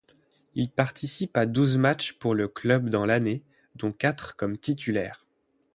Il participe à douze matchs pour le club dans l'année, dont quatre comme titulaire.